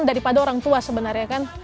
daripada orang tua sebenarnya